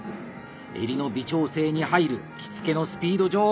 襟の微調整に入る「着付のスピード女王」